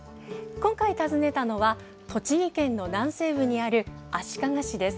今回訪ねたのは、栃木県の南西部にある足利市です。